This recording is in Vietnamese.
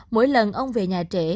mỗi lần ông về nhà trễ